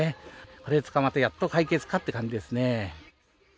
これで捕まってやっと解決かって感じですね。